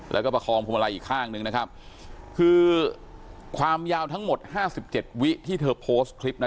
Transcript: แล้วก็ประคองพวงมาลัยอีกข้างหนึ่งนะครับคือความยาวทั้งหมดห้าสิบเจ็ดวิที่เธอโพสต์คลิปนะ